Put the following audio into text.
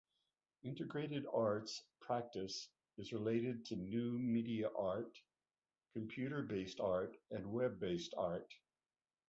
Integrated arts practice is related to new media art, computer-based art, and web-based art.